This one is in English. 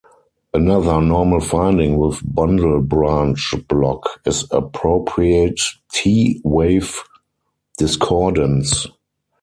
Another normal finding with bundle branch block is appropriate T wave discordance.